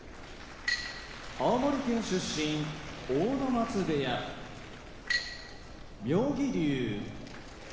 青森県出身阿武松部屋妙義龍